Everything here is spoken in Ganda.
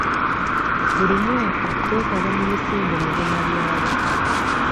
Buli mwaka twetaba mu misinde mubunabyalo.